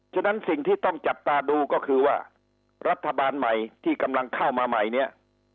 ฉะนั้นสิ่งที่ต้องจับตาดูก็คือว่ารัฐบาลใหม่ที่กำลังเข้ามาใหม่เนี่ย